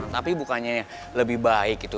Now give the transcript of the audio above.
tapi bukannya lebih baik gitu